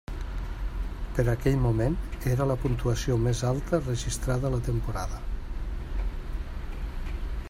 Per aquell moment era la puntuació més alta registrada a la temporada.